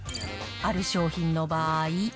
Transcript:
ある商品の場合。